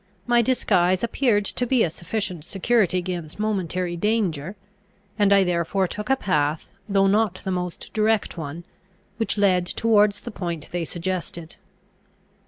My disguise appeared to be a sufficient security against momentary danger; and I therefore took a path, though not the most direct one, which led towards the point they suggested.